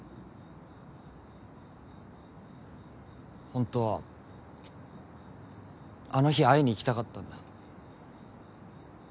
ホントはあの日会いに行きたかったんだ。